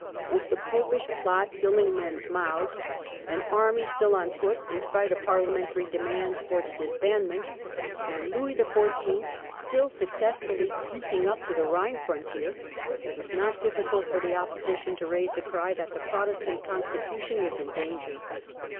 With the Popish Plot filling men's mouths, an army still on foot in spite of Parliamentary demands for its disbandment, and Louis XIV. still successfully creeping up to the Rhine frontier, it was not difficult for the opposition to raise a cry that the Protestant Constitution was in danger.